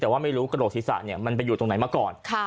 แต่ว่าไม่รู้กระโดดศีรษะมันไปอยู่ตรงไหนมาก่อน